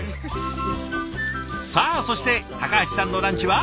さあそして高橋さんのランチは？